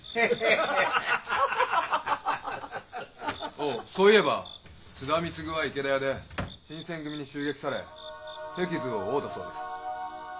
・・ああそういえば津田貢は池田屋で新撰組に襲撃され手傷を負うたそうです。